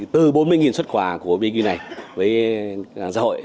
từ bốn mươi xuất quà của bidv này với các ngành xã hội